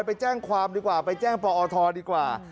ไปแจ้งความดีกว่าไปแจ้งปอทดีกว่า